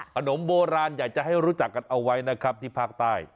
ขนมโบราณอยากจะให้รู้จักกันเอาไว้นะครับที่ภาคใต้